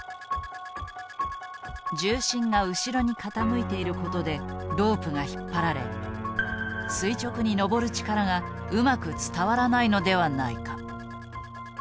重心が後ろに傾いていることでロープが引っ張られ垂直に登る力がうまく伝わらないのではないか。